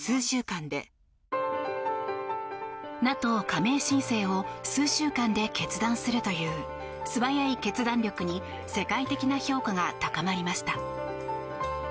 ＮＡＴＯ加盟申請を数週間で決断するという素早い決断力に世界的な評価が高まりました。